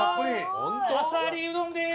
あさりうどんです。